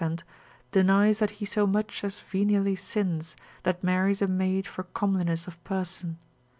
sent, denies that he so much as venially sins, that marries a maid for comeliness of person.